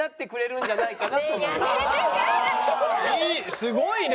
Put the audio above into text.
すごいね！